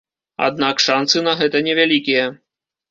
Аднак шанцы на гэта невялікія.